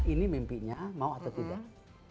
ini mimpinya mau atau tidak